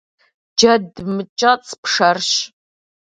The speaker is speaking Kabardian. Джэд мыкӀэцӀ пшэрщ.